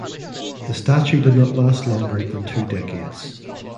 The statue did not last longer than two decades.